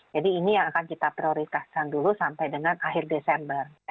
jadi ini yang akan kita prioritaskan dulu sampai dengan akhir desember